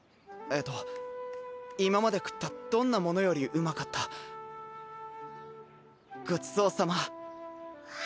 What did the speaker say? えっと今まで食ったどんなものよりうまかったごちそうさま